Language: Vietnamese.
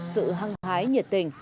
sự hăng hái nhiệt tình